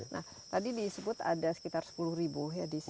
nah tadi disebut ada sekitar sepuluh ribu ya di sini